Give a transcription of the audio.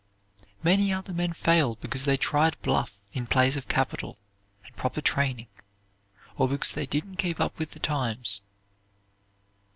Many other men fail because they tried bluff in place of capital, and proper training, or because they didn't keep up with the times.